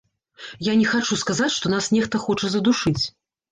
Я не хачу сказаць, што нас нехта хоча задушыць.